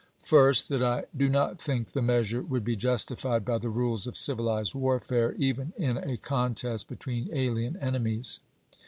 First. That I do not think the measure would be justified by the rules of civihzed warfare, even in a contest between alien enemies.